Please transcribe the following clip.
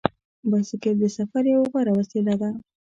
بایسکل د سفر یوه غوره وسیله ده.